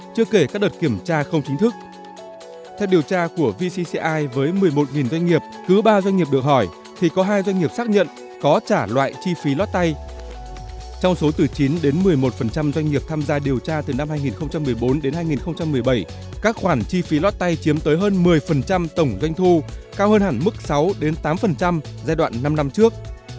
các khoản chi phí lót tay chiếm tới hơn một mươi tổng doanh thu cao hơn hẳn mức sáu đến tám giai đoạn năm năm trước